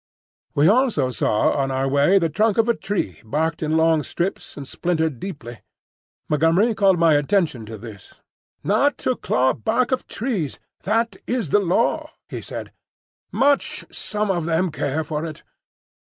We also saw on our way the trunk of a tree barked in long strips and splintered deeply. Montgomery called my attention to this. "Not to claw bark of trees, that is the Law," he said. "Much some of them care for it!"